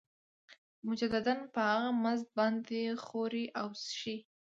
مجدداً په هغه مزد باندې خوري او څښي